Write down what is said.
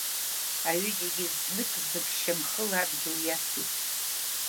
Аҩыџьагьы знык-знык шьамхыла адгьыл иасит.